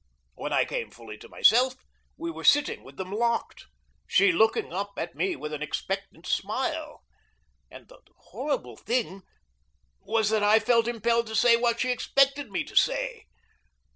When I came fully to myself, we were sitting with them locked, she looking up at me with an expectant smile. And the horrible thing was that I felt impelled to say what she expected me to say.